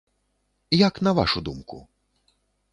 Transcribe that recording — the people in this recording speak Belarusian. Як на вашу думку?